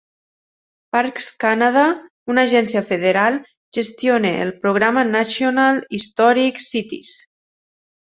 Parks Canada, una agència federal, gestiona el programa National Historic Sites.